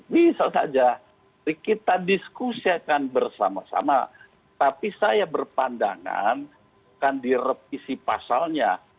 bisa saja kita diskusikan bersama sama tapi saya berpandangan akan direvisi pasalnya